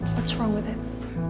apa yang salahnya dengan dia